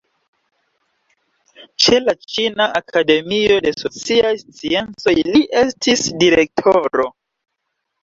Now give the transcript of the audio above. Ĉe la Ĉina Akademio de Sociaj Sciencoj li estis direktoro.